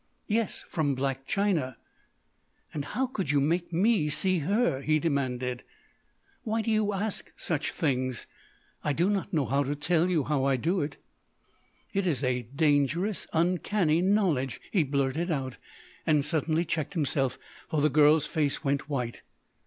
"Yes. From Black China." "How could you make me see her!" he demanded. "Why do you ask such things? I do not know how to tell you how I do it." "It's a dangerous, uncanny knowledge!" he blurted out; and suddenly checked himself, for the girl's face went white.